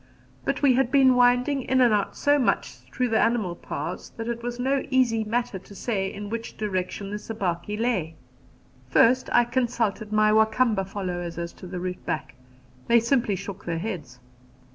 But we had been winding in and out so much through the animal paths that it was no easy matter to say in which direction the Sabaki lay. First I consulted my Wa Kamba followers as to the route back, they simply shook their heads.